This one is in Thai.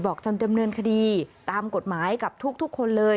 จะดำเนินคดีตามกฎหมายกับทุกคนเลย